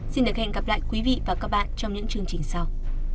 xin được hẹn gặp lại quý vị và các bạn trong những chương trình sau